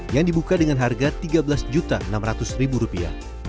yang dibuka dengan harga tiga belas enam ratus rupiah